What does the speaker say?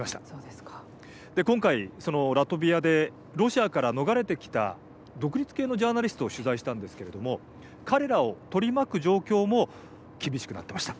で今回ラトビアでロシアから逃れてきた独立系のジャーナリストを取材したんですけれども彼らを取り巻く状況も厳しくなってました。